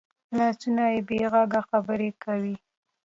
لاسونه بې غږه خبرې کوي